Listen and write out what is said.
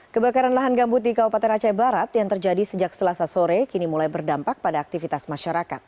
kebakaran lahan gambut di kabupaten aceh barat yang terjadi sejak selasa sore kini mulai berdampak pada aktivitas masyarakat